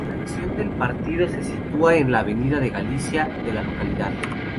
La dirección del partido se sitúa en la Avenida de Galicia de la localidad.